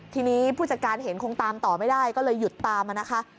ทีนี้ผู้จัดการเห็นคงตามต่อไม่ได้ก็เลยหยุดตามมานะคะ